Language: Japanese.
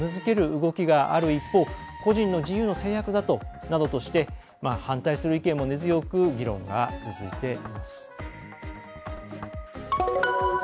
動きがある一方個人の自由の制約だなどとして反対する意見も根強く議論が続いています。